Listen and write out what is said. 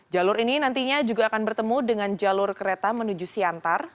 jalur ini nantinya juga akan bertemu dengan jalur kereta menuju siantar